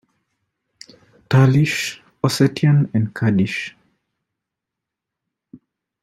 Talysh, Ossetian, and Kurdish.